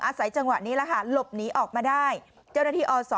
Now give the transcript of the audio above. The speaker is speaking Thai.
อาศัยจังหวะนี้แหละค่ะหลบหนีออกมาได้เจ้าหน้าที่อศ